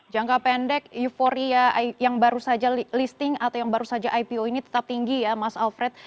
jangka pendek euforia yang baru saja listing atau yang baru saja ipo ini tetap tinggi ya mas alfred